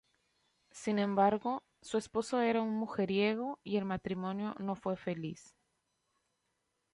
Sin embargo, su esposo era un mujeriego y el matrimonio no fue feliz.